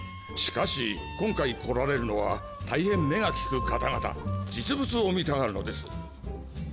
しかし今回来られるのは大変目が利く方々実物を見たがるのです。